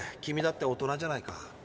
君だって大人じゃないか。